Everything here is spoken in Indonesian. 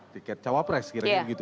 tiket cawapres kira kira begitu